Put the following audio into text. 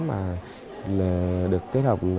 và được kết hợp